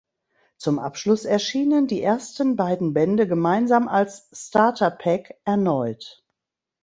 Zum Abschluss erschienen die ersten beiden Bände gemeinsam als "Starter Pack" erneut.